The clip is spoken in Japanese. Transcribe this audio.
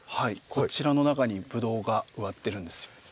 こちらの中にブドウが植わってるんですよ。